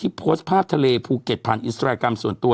โพสต์ภาพทะเลภูเก็ตผ่านอินสตราแกรมส่วนตัว